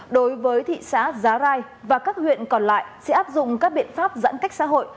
đối với thị xã giá rai và các huyện còn lại sẽ áp dụng các biện pháp giãn cách xã hội